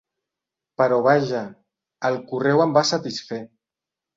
Però vaja, el correu em va satisfer.